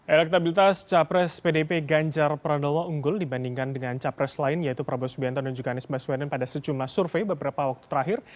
elektabilitas capres pdp ganjar pranowo unggul dibandingkan dengan capres lain yaitu prabowo subianto dan juga anies baswedan pada secumlah survei beberapa waktu terakhir